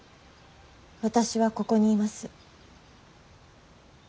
私はここにいます。